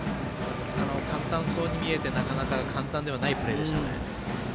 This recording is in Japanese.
簡単そうに見えてなかなか簡単ではないプレーでしたね。